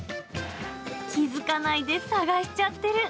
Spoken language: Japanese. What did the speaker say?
気付かないで探しちゃってる。